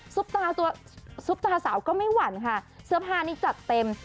ซุปตาสาวก็ไม่หวั่นค่ะเสื้อผ้านี้จัดเต็ม